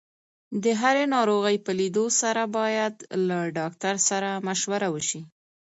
د هرې ناروغۍ په لیدو سره باید له ډاکټر سره مشوره وشي.